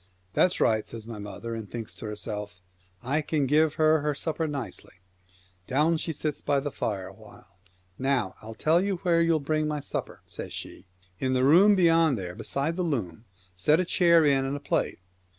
" That's right," says my mother, ofFaer y and thinks to herself, " I can give her her supper nicely." Down she sits by the fire a while. " Now I'll tell you where you'll bring my supper," says she. " In the room beyond there beside the loom — set a chair in and a plate."